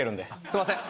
すみません。